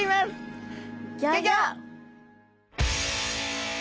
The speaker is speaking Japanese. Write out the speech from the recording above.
ギョギョ！